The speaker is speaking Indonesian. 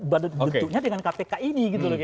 bentuknya dengan kpk ini